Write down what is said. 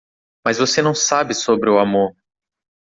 Mas você não sabe sobre o amor.